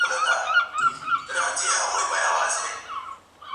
کورنيو د ښې دوستۍ ټينګولو اراده وکړه.